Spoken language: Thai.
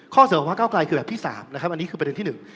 ข้อเสริมของภาคเก้าไกลคือแบบที่สามอันนี้คือประเด็นที่หนึ่ง